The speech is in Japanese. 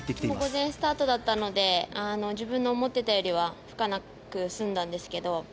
午前スタートだったので自分の思っていたよりかはふかなく済んだんですけど。